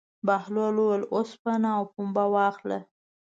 بهلول وویل: اوسپنه او پنبه واخله.